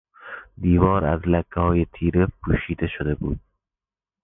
دیوار از لکههای تیره پوشیده شده بود.